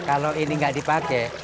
kalau ini gak dipake